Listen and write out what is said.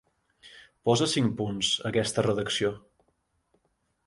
Posa cinc punts a aquesta redacció.